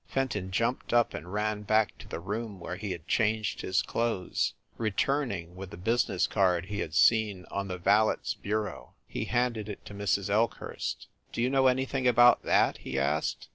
Fenton jumped up and ran back to the room where he had changed his clothes, returning with the business card he had seen on the valet s bureau. He handed it to Mrs. Elkhurst. "Do you know anything about that ?" he asked.